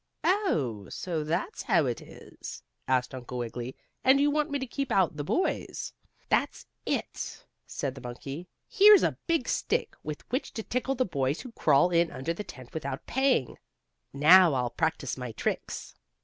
"Oh, so that's how it is?" asked Uncle Wiggily. "And you want me to keep out the boys?" "That's it," said the monkey. "Here's a big stick, with which to tickle the boys who crawl in under the tent without paying. Now I'll practice my tricks."